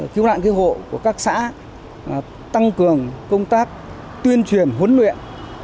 chúng tôi sẽ tăng cường công tác tuyên truyền huấn luyện